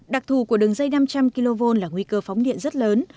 đặc thù của đường dây năm trăm linh kv là nguy cơ phóng điện rất lớn